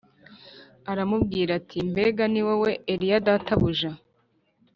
aramubwira ati “Mbega ni wowe, Eliya databuja?”